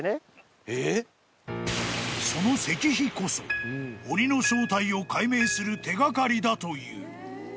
［その石碑こそ鬼の正体を解明する手掛かりだという］